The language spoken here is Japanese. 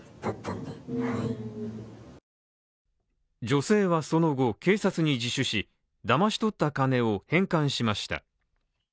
女性はその後、警察に自首し、だまし取った金を返還しました。